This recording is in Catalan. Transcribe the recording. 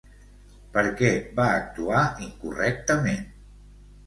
Per què va actuar incorrectament?